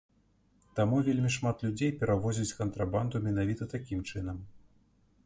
Таму вельмі шмат людзей перавозяць кантрабанду менавіта такім чынам.